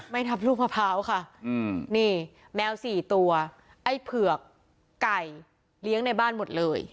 ทับลูกมะพร้าวค่ะนี่แมวสี่ตัวไอ้เผือกไก่เลี้ยงในบ้านหมดเลย